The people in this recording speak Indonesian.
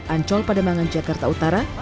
ancol pademangan jakarta utara